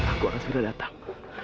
aku harus sudah datang